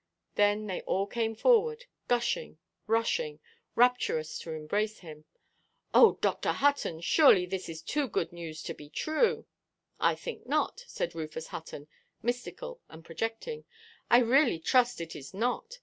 Then they all came forward, gushing, rushing, rapturous to embrace him. "Oh, Dr. Hutton, surely this is too good news to be true!" "I think not," said Rufus Hutton, mystical and projecting, "I really trust it is not.